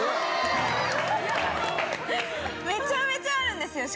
めちゃめちゃあるんですよ